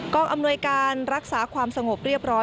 อำนวยการรักษาความสงบเรียบร้อย